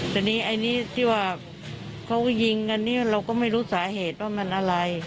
แต่นี่ไอ้นี้ที่ว่าเขายิงกันนี้เราก็ไม่รู้สาเหตุว่ามันอะไร